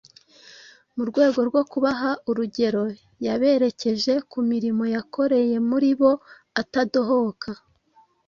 Mu rwego rwo kubaha urugero yaberekeje ku mirimo yakoreye muri bo atadohoka.